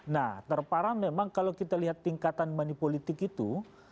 nah terparah memang kalau kita lihat tingkatan manipolitik itu